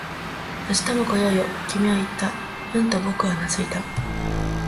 「明日も来ようよ」、君は言った。うんと僕はうなずいた